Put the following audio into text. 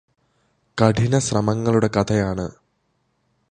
കഠിന ശ്രമങ്ങളുടെ കഥയാണ്